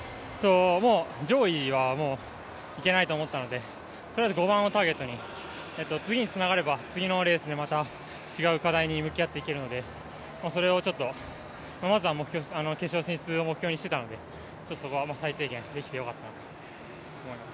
もう上位はいけないと思ったので、とりあえず５番をターゲットに、次につながれば次のレースでまた違う課題に向き合っていけるので、それをまずは決勝進出を目標にしていたのでそこは最低限できてよかったなと思います。